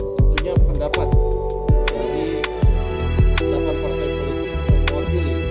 tentunya pendapat dari delapan partai politik yang keluar gini